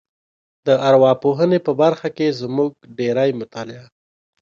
د ارواپوهنې په برخه کې زموږ ډېری مطالعه